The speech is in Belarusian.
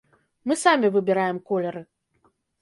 Мы самі выбіраем колеры.